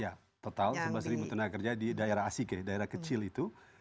ya total sebelas tenaga kerja di daerah asike daerah kecil itu